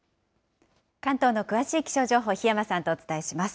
関東の詳しい気象情報、檜山さんとお伝えします。